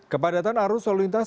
kepadatan arus lalu lintas